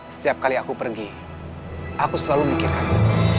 setiap kali aku pergi aku selalu mikirkan